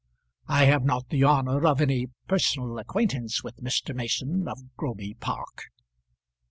I have not the honour of any personal acquaintance with Mr. Mason of Groby Park."